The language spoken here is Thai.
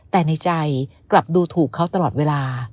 แต่ในใจกลับดูถูกเขาตลอดเวลา